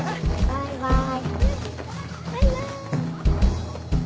バイバイ！